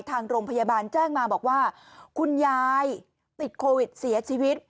ทางโรงพยาบาลแจ้งมาบอกว่าคุณยายติดโควิดเสียชีวิต